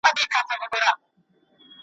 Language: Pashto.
زاهده زما پر ژبه نه راځي توبه له میو `